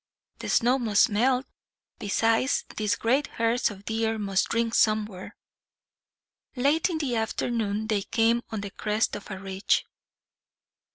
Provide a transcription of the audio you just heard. The snow must melt; besides, these great herds of deer must drink somewhere." Late in the afternoon they came on the crest of a ridge.